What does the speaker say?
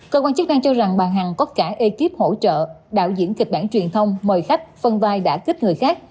cơ quan chức năng cho rằng bà hằng có cả ekip hỗ trợ đạo diễn kịch bản truyền thông mời khách phân vai đã kích người khác